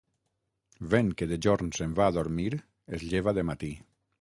Vent que de jorn se'n va a dormir, es lleva de matí.